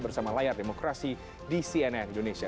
bersama layar demokrasi di cnn indonesia